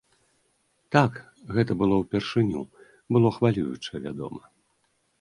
Так, гэта было ўпершыню, было хвалююча, вядома.